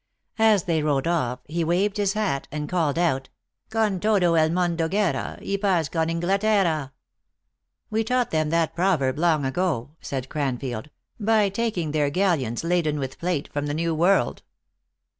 As they rode off, he waved his hat, arid .called out :" Con todo el mondo guerra, y paz con Inglaterra !"" We taught them that proverb long ago," said Cranfield," by taking their galleons laden with plate from the New World."